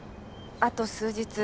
あと数日